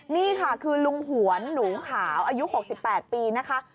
นี่ค่ะคือลุงหวนหนูขาวอายุ๖๘ปีนะคะ